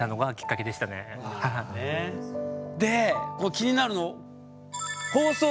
で気になるの。